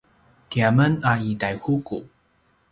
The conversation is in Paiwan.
tiyamen a i Taihuku